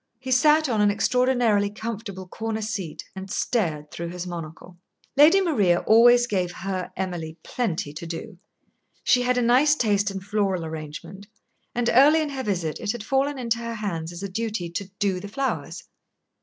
He sat on an extraordinarily comfortable corner seat, and stared through his monocle. Lady Maria always gave her Emily plenty to do. She had a nice taste in floral arrangement, and early in her visit it had fallen into her hands as a duty to "do" the flowers.